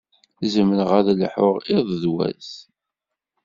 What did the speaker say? Zemreɣ ad lḥuɣ iḍ d wass.